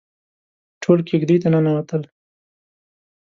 ټول کېږدۍ ته ننوتل.